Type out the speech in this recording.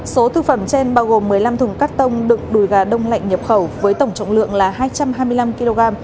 số thực phẩm trên bao gồm một mươi năm thùng cắt tông đựng đùi gà đông lạnh nhập khẩu với tổng trọng lượng là hai trăm hai mươi năm kg